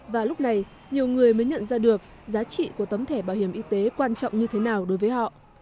và lúc này nhiều người mới nhận ra được giá trị của tấm thẻ bảo hiểm y tế quan trọng như thế nào đối với họ